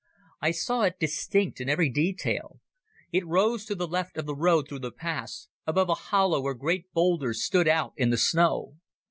I saw it distinct in every detail. It rose to the left of the road through the pass, above a hollow where great boulders stood out in the snow.